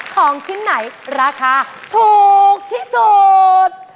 ของชิ้นไหนราคาถูกที่สุด